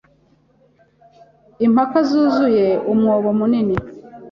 Impaka zuzuye umwobo munini.